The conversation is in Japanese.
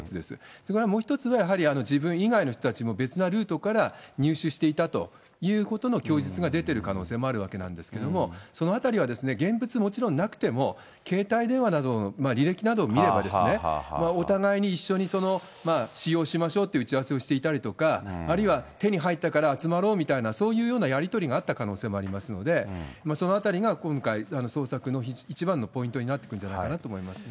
それからもう一つは、やはり自分以外の人たちも別なルートから入手していたということの供述が出てる可能性もあるわけなんですけれども、そのあたりは、現物もちろんなくても、携帯電話などの履歴などを見れば、お互いに一緒に使用しましょうって打ち合わせをしていたりとか、あるいは手に入ったから集まろうみたいな、そういうようなやり取りがあった可能性もありますので、そのあたりが今回、捜索の一番のポイントになってくるんじゃないかなと思います。